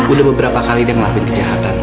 udah beberapa kali dia ngelakuin kejahatan